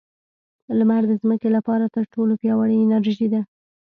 • لمر د ځمکې لپاره تر ټولو پیاوړې انرژي ده.